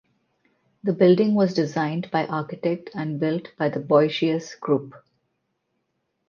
The building was designed by architect and built by the Bouygues group.